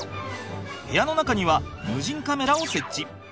部屋の中には無人カメラを設置。